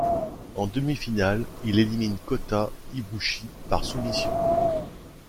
En demi-finale, il élimine Kota Ibushi par soumission.